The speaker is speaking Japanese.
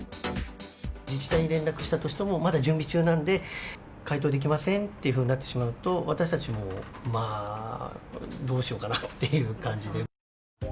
自治体に連絡したとしても、まだ準備中なので回答できませんというふうになってしまうと、私たちもまあ、どうしようかなっていう感じで。